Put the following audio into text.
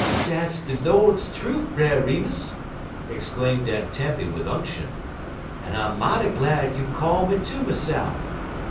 "Dat's de Lord's trufe, Brer Remus," exclaimed Aunt Tempy with unction, "un I mighty glad you call me ter myse'f.